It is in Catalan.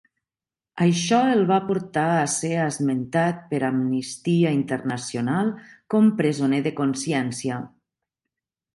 Això el va portar a ser esmentat per Amnistia Internacional com presoner de consciència.